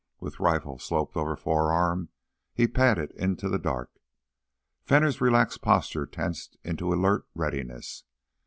With rifle sloped over forearm, he padded into the dark. Fenner's relaxed posture tensed into alert readiness.